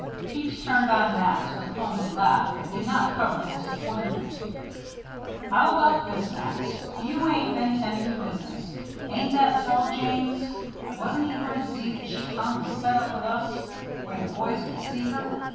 Pete turned on Max, with a clumsy laugh that did not cover his disappointment. "How about this, Max? You ain't been tending to business. Ain't that so, James? Wasn't he going to see that she come and sat up with us where the boys could see her?"